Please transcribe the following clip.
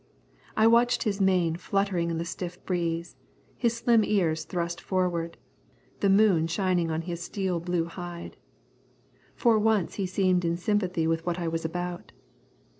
I watched his mane fluttering in the stiff breeze, his slim ears thrust forward, the moon shining on his steel blue hide. For once he seemed in sympathy with what I was about.